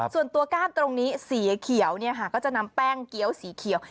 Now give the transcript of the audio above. ส่วนตัวกล้างตรงนี้สีแขียวนี่ค่ะก็จะนำแป้งเกี๊ยวสีเขียว